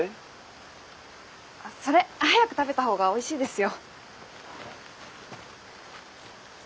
それ早く食べた方がおいしいですよ。